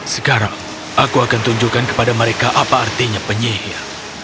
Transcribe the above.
sekarang aku akan tunjukkan kepada mereka apa artinya penyihir